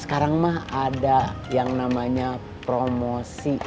sekarang mah ada yang namanya promosi